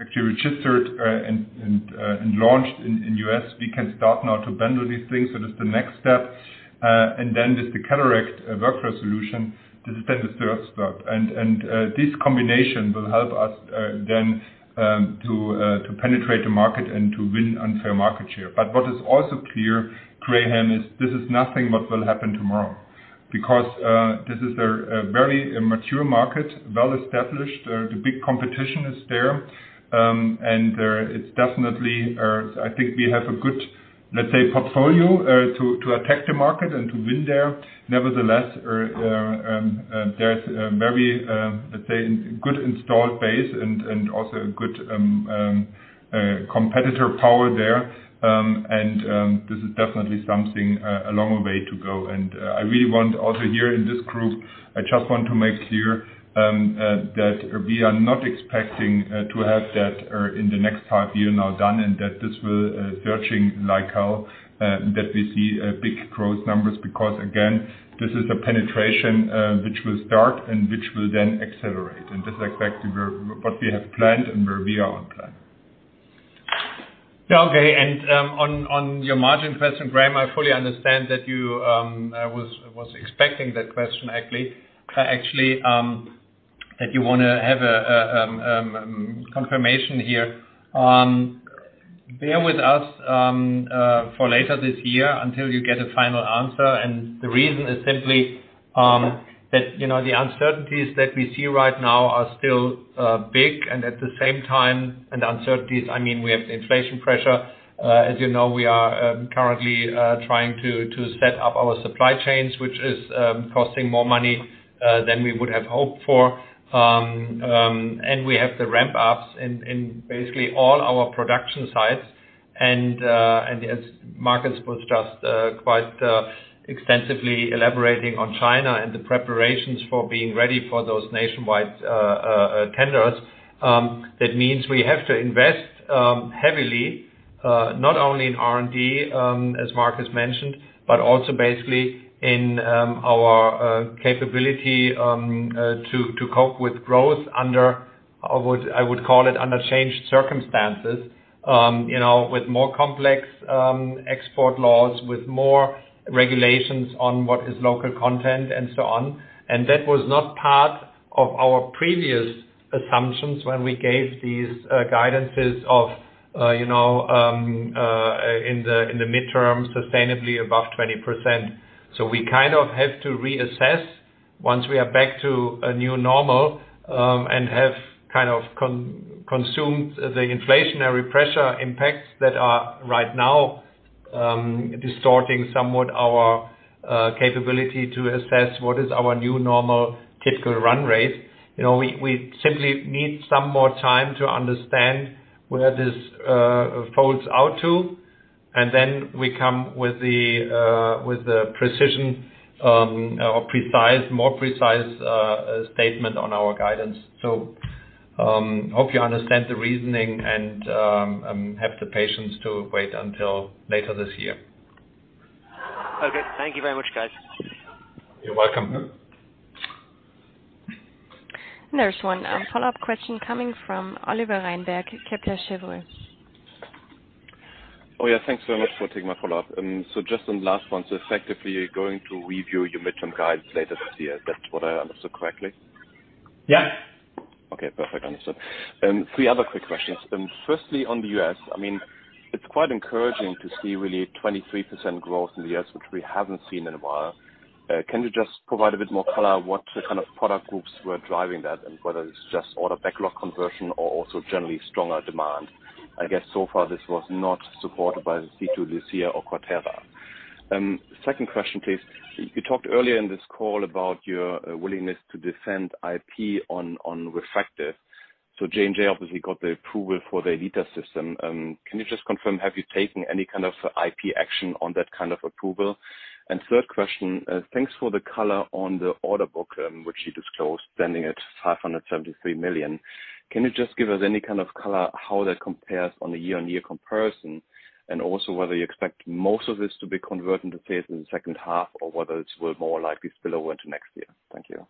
Speaker 3: actually registered and launched in U.S., we can start now to bundle these things. That's the next step. With the cataract workflow solution, this is then the third step. This combination will help us then to penetrate the market and to win on fair market share. What is also clear, Graham, is this is nothing what will happen tomorrow because this is a very mature market, well established. The big competition is there. And it's definitely... I think we have a good, let's say, portfolio to attack the market and to win there. Nevertheless, there's a very, let's say, good installed base and also a good competitor power there. And this is definitely something a long way to go. I really want also here in this group, I just want to make clear that we are not expecting to have that in the next half year now done, and that this will surging like how that we see big growth numbers. Again, this is a penetration which will start and which will then accelerate. This is exactly what we have planned and where we are on plan.
Speaker 4: Yeah. Okay. On your margin question, Graham, I fully understand that you was expecting that question actually. Actually, if you wanna have a confirmation here, bear with us for later this year until you get a final answer. The reason is simply that, you know, the uncertainties that we see right now are still big, and at the same time, and uncertainties, I mean, we have inflation pressure. As you know, we are currently trying to set up our supply chains, which is costing more money than we would have hoped for. And we have the ramp ups in basically all our production sites. As Marcus put just quite. Extensively elaborating on China and the preparations for being ready for those nationwide tenders. That means we have to invest heavily not only in R&D, as Mark has mentioned, but also basically in our capability to cope with growth under I would call it under changed circumstances, you know, with more complex export laws, with more regulations on what is local content and so on. That was not part of our previous assumptions when we gave these guidances of, you know, in the midterm, sustainably above 20%. We kind of have to reassess once we are back to a new normal, and have kind of consumed the inflationary pressure impacts that are right now, distorting somewhat our capability to assess what is our new normal typical run rate. You know, we simply need some more time to understand where this folds out to, and then we come with the precision, or more precise statement on our guidance. Hope you understand the reasoning and have the patience to wait until later this year.
Speaker 9: Okay. Thank you very much, guys.
Speaker 3: You're welcome.
Speaker 1: There's one, follow-up question coming from Oliver Reinberg, Kepler Cheuvreux.
Speaker 5: Yeah. Thanks very much for taking my follow-up. Just on the last one, effectively you're going to review your midterm guidance later this year. That's what I understood correctly?
Speaker 3: Yeah.
Speaker 5: Okay, perfect. Understood. Three other quick questions. Firstly, on the U.S., I mean, it's quite encouraging to see really 23% growth in the U.S., which we haven't seen in a while. Can you just provide a bit more color what kind of product groups were driving that, and whether it's just order backlog conversion or also generally stronger demand? I guess so far this was not supported by the CT LUCIA or QUATERA. Second question, please. You talked earlier in this call about your willingness to defend IP on refractor. J&J obviously got the approval for their ELITA system. Can you just confirm, have you taken any kind of IP action on that kind of approval? Third question, thanks for the color on the order book, which you disclosed standing at 573 million. Can you just give us any kind of color how that compares on a year-on-year comparison? Also whether you expect most of this to be converted into sales in the H2, or whether it will more likely spill over into next year. Thank you.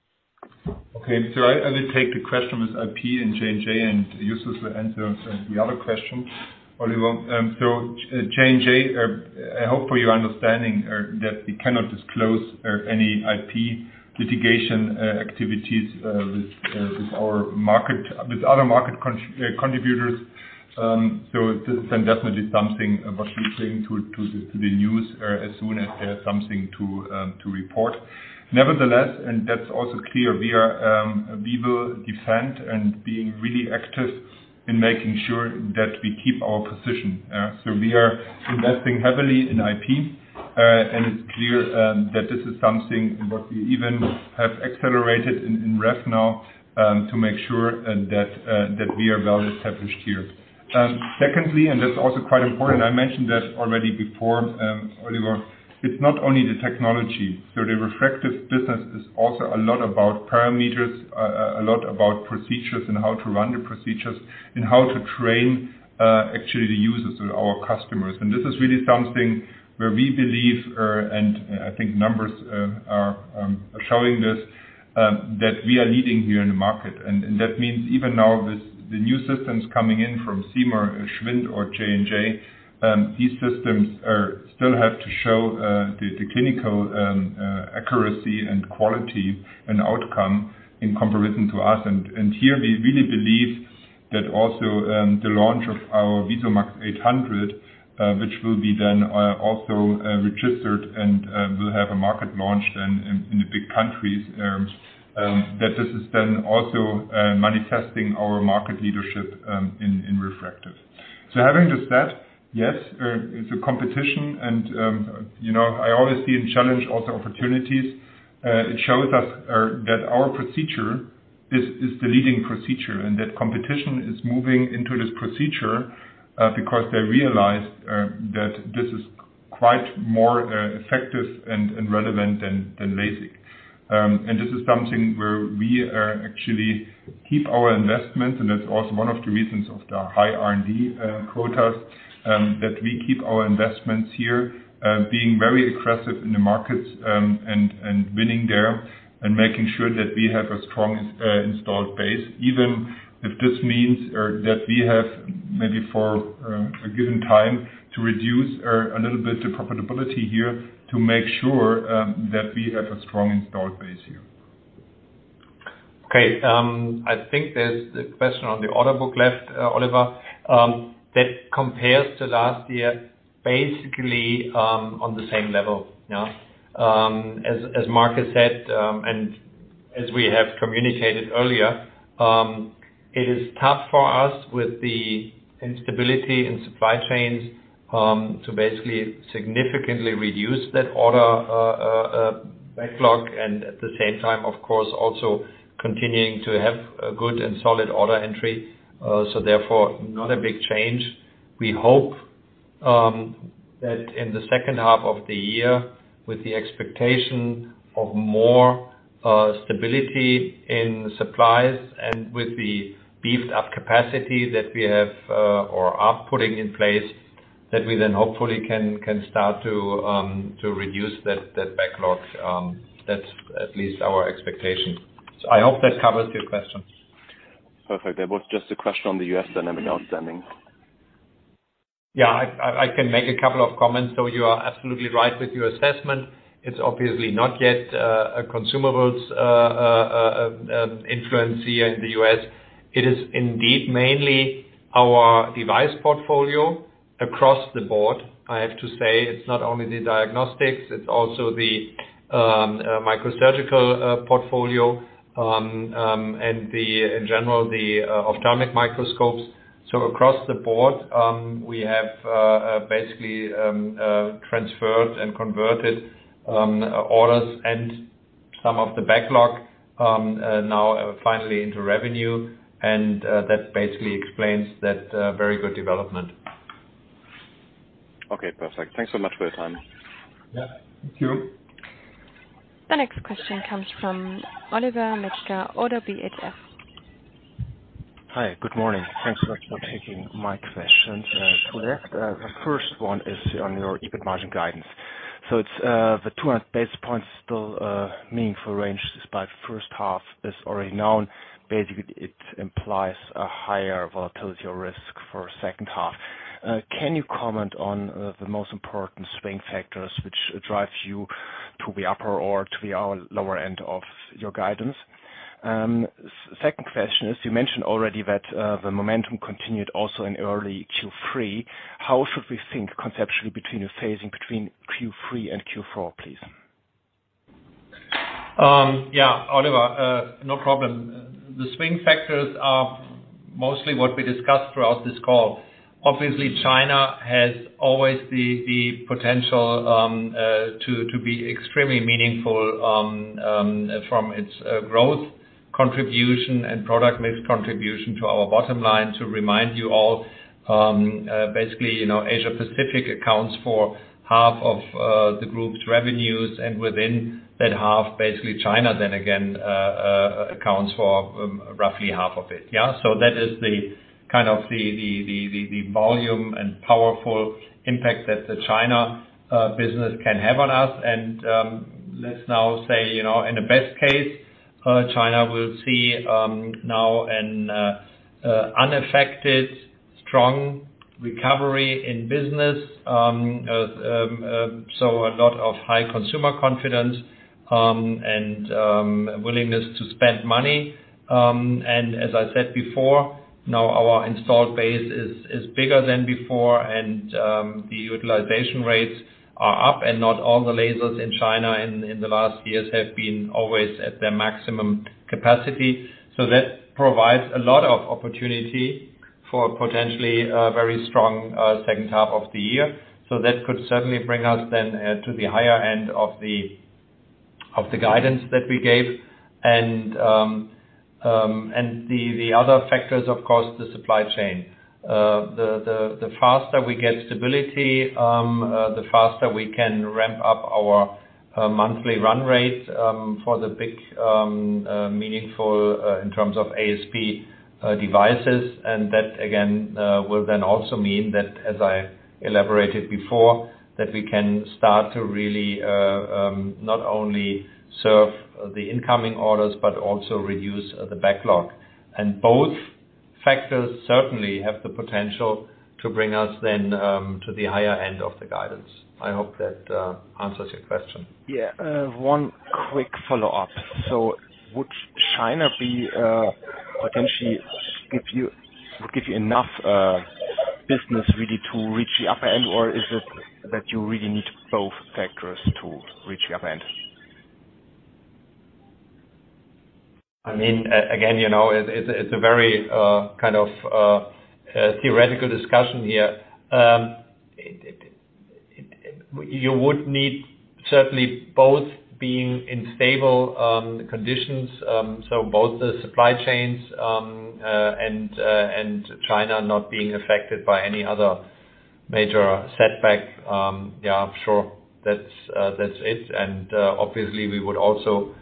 Speaker 3: I will take the question with IP and J&J, and Justus will answer the other question. Oliver, J&J, I hope for your understanding that we cannot disclose any IP litigation activities with other market contributors. This is then definitely something what we bring to the news as soon as there's something to report. Nevertheless, and that's also clear, we are we will defend and being really active in making sure that we keep our position. We are investing heavily in IP, and it's clear that this is something what we even have accelerated in ref now to make sure that we are well established here. Secondly, that's also quite important, I mentioned that already before, Oliver, it's not only the technology. The refractive business is also a lot about parameters, a lot about procedures and how to run the procedures and how to train, actually the users or our customers. This is really something where we believe, and I think numbers are showing this, that we are leading here in the market. That means even now with the new systems coming in from Ziemer, SCHWIND or J&J, these systems still have to show the clinical accuracy and quality and outcome in comparison to us. Here we really believe that also the launch of our VISUMAX 800, which will be then also registered and will have a market launch then in the big countries, that this is then also manifesting our market leadership in refractive. Having just that, yes, it's a competition and, you know, I always see in challenge also opportunities. It shows us that our procedure is the leading procedure and that competition is moving into this procedure because they realized that this is quite more effective and relevant than LASIK. This is something where we are actually keep our investments, and that's also one of the reasons of the high R&D quotas, that we keep our investments here, being very aggressive in the markets, and winning there and making sure that we have a strong installed base, even if this means or that we have maybe for a given time to reduce a little bit the profitability here to make sure that we have a strong installed base here.
Speaker 4: Okay. I think there's a question on the order book left, Oliver, that compares to last year basically, on the same level, yeah. As Markus said, as we have communicated earlier, it is tough for us with the instability in supply chains, to basically significantly reduce that order backlog and at the same time, of course, also continuing to have a good and solid order entry. Therefore, not a big change We hope that in the H2 of the year, with the expectation of more stability in supplies and with the beefed up capacity that we have or are putting in place, that we then hopefully can start to reduce that backlog. That's at least our expectation. I hope that covers your questions.
Speaker 5: Perfect. There was just a question on the U.S. dynamic outstanding.
Speaker 4: Yeah. I can make a couple of comments. You are absolutely right with your assessment. It's obviously not yet a consumables influencer here in the U.S. It is indeed mainly our device portfolio across the board, I have to say. It's not only the diagnostics, it's also the microsurgical portfolio and in general the ophthalmic microscopes. Across the board, we have basically transferred and converted orders and some of the backlog now finally into revenue. That basically explains that very good development.
Speaker 5: Okay, perfect. Thanks so much for your time.
Speaker 1: Yeah. Thank you. The next question comes from Oliver Metzger, ODDO BHF.
Speaker 10: Hi. Good morning. Thanks so much for taking my questions. The first one is on your EBIT margin guidance. It's the 200 basis points still a meaningful range, despite H1 is already known. Basically, it implies a higher volatility or risk for H2. Can you comment on the most important swing factors which drive you to the upper or to the lower end of your guidance? Second question is, you mentioned already that the momentum continued also in early Q3. How should we think conceptually between the phasing between Q3 and Q4, please?
Speaker 4: Yeah, Oliver, no problem. The swing factors are mostly what we discussed throughout this call. Obviously, China has always the potential to be extremely meaningful from its growth contribution and product mix contribution to our bottom line. To remind you all, basically, you know, Asia Pacific accounts for half of the group's revenues, and within that half, basically China then again accounts for roughly half of it. Yeah. That is the kind of the volume and powerful impact that the China business can have on us. Let's now say, you know, in the best case, China will see now an unaffected, strong recovery in business. A lot of high consumer confidence and willingness to spend money. As I said before, now our installed base is bigger than before and the utilization rates are up, and not all the lasers in China in the last years have been always at their maximum capacity. That provides a lot of opportunity for potentially a very strong H2 of the year. That could certainly bring us then to the higher end of the guidance that we gave. The other factors, of course, the supply chain. The faster we get stability, the faster we can ramp up our monthly run rates for the big, meaningful in terms of ASP devices. That again, will then also mean that, as I elaborated before, that we can start to really, not only serve the incoming orders but also reduce the backlog. Both factors certainly have the potential to bring us then, to the higher end of the guidance. I hope that, answers your question.
Speaker 10: Yeah. One quick follow-up. Would China be potentially give you enough business really to reach the upper end, or is it that you really need both factors to reach the upper end?
Speaker 4: I mean, again, you know, it's a very, kind of, theoretical discussion here. You would need certainly both being in stable conditions, so both the supply chains, and China not being affected by any other major setback. Yeah, I'm sure that's it. Obviously we would also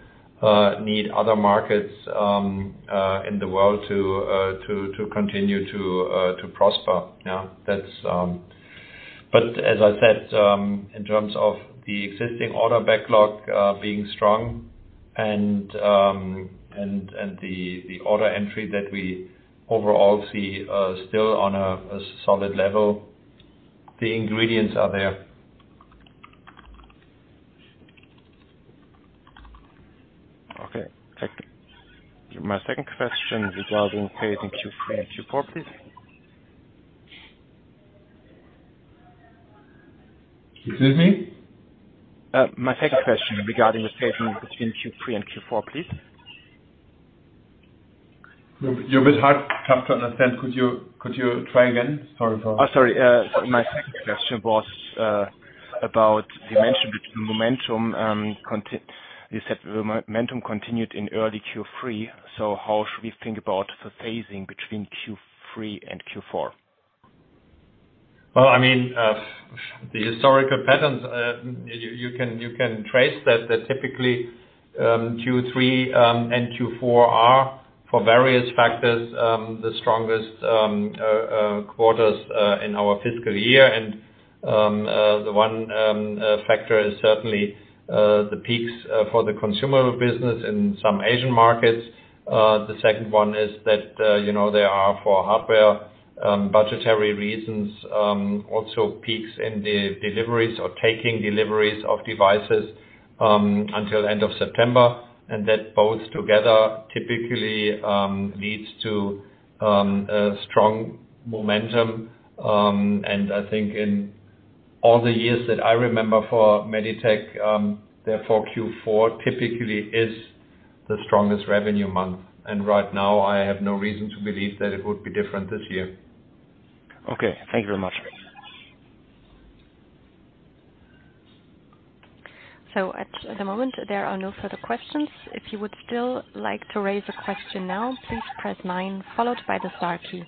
Speaker 4: need other markets in the world to continue to prosper. Yeah, that's. As I said, in terms of the existing order backlog, being strong and the order entry that we overall see, still on a solid level, the ingredients are there.
Speaker 10: Okay. Thank you. My second question regarding phasing Q3 and Q4, please.
Speaker 4: Excuse me?
Speaker 10: My second question regarding the phasing between Q3 and Q4, please.
Speaker 4: You're a bit hard, tough to understand. Could you try again?
Speaker 10: Oh, sorry. My second question was, you said momentum continued in early Q3, how should we think about the phasing between Q3 and Q4?
Speaker 4: Well, I mean, the historical patterns, you can trace that typically, Q3 and Q4 are, for various factors, the strongest quarters in our fiscal year. The one factor is certainly the peaks for the consumer business in some Asian markets. The second one is that, you know, there are for hardware, budgetary reasons, also peaks in the deliveries or taking deliveries of devices until end of September. That both together typically leads to a strong momentum. I think in all the years that I remember for Meditec, therefore Q4 typically is the strongest revenue month. Right now I have no reason to believe that it would be different this year.
Speaker 10: Okay. Thank you very much.
Speaker 1: At the moment, there are no further questions. If you would still like to raise a question now, please press 9 followed by the star key.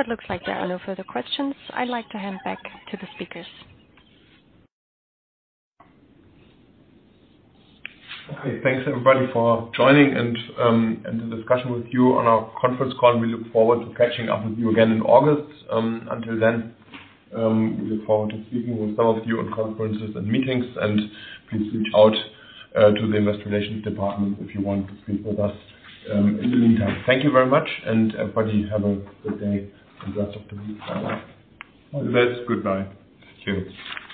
Speaker 1: It looks like there are no further questions. I'd like to hand back to the speakers.
Speaker 2: Okay. Thanks everybody for joining and the discussion with you on our conference call. We look forward to catching up with you again in August. Until then, we look forward to speaking with some of you on conferences and meetings, and please reach out to the Investor Relations department if you want to speak with us in the meantime. Thank you very much. Everybody, have a good day and rest of the week. Bye-bye.
Speaker 4: Yes. Goodbye. Cheers.